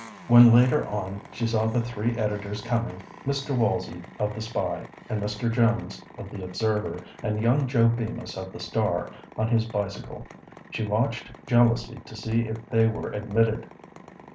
When, later on, she saw the three editors coming Mr. Walsey, of The Spy, and Mr. Jones, of The Observer, and young Joe Bemis, of The Star, on his bicycle she watched jealously to see if they were admitted.